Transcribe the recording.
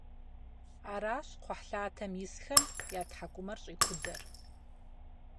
Аращ кхъухьлъатэм исхэм я тхьэкӏумэр щӏикудэр.